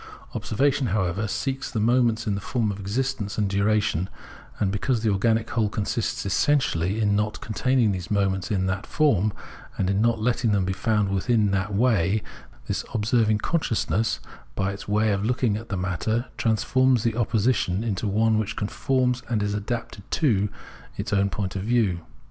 Observation, however, seeks the moments in the form of existence and diuation ; and because the organic whole consists essentially in not containing the moments in that form, and in not letting them be found within it in that way, this observing consciousness, by its way of looking at the matter, transforms the opposition into one which conforms and is adapted to its own point of view.